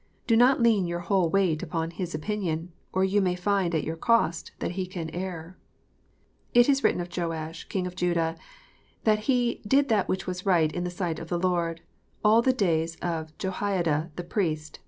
Do not lean your whole weight on his opinion, or you may find to your cost that he can err. It is written of Joash, King of Judah, that he " did that which was right in the sight of the Lord all the days of Jehoiada the priest."